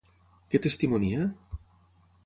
Què testimonia?